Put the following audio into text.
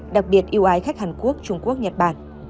đặc biệt yêu ái khách hàn quốc trung quốc nhật bản